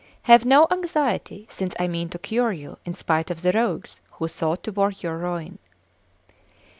Have no anxiety, since I mean to cure you in spite of the rogues who sought to work your ruin."